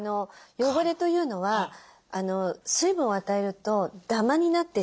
汚れというのは水分を与えるとダマになっていっちゃうんですね。